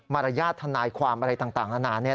รยาทนายความอะไรต่างนานา